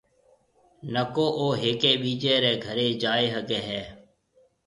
نڪو او ھيَََڪيَ ٻِيجيَ رَي گھرَي جائيَ ھگيَ ھيََََ